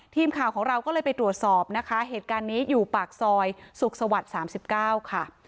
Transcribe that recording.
ทีมข่าวของเราก็เลยไปตรวจสอบนะคะเหตุการณ์นี้อยู่ปากซอยสุขสวรรค์๓๙ค่ะ